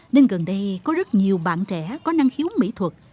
nên gần đây có rất nhiều bạn trẻ có năng khiếu mỹ thuật